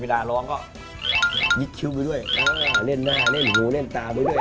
เวลาร้องก็ยิดคิวดูด้วยเน่นหน้าเน่นหูเน่นตาด้วย